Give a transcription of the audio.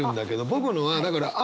僕のはだからああ